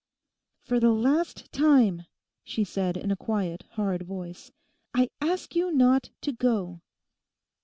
'For the last time,' she said in a quiet, hard voice, 'I ask you not to go.